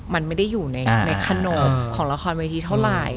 มันไม่ได้อยู่ในขนบของละครเวทีเท่าไหร่